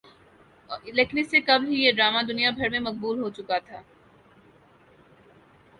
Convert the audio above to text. لیکن اس سے قبل ہی یہ ڈرامہ دنیا بھر میں مقبول ہوچکا تھا